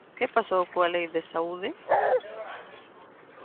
¿Que pasou coa Lei de saúde?